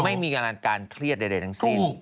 ไม่มีกำลังการเครียดใดทั้งสิ้น